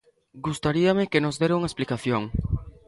Gustaríame que nos dera unha explicación.